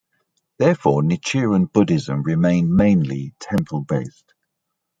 Therefore, Nichiren-Buddhism remained mainly temple-based.